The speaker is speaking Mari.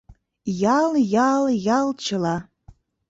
Ял, ял, ял чыла